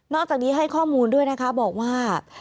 จากนี้ให้ข้อมูลด้วยนะคะบอกว่า